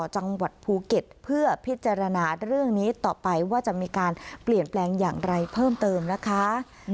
จังหวัดภูเก็ตเพื่อพิจารณาเรื่องนี้ต่อไปว่าจะมีการเปลี่ยนแปลงอย่างไรเพิ่มเติมนะคะ